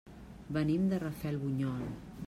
Venim de Rafelbunyol.